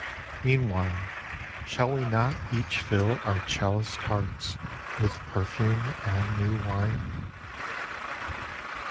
Meanwhile, shall wo not each fill Our chaliced hearts with perfume and new wine